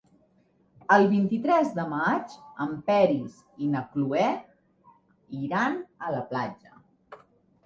El vint-i-tres de maig en Peris i na Cloè iran a la platja.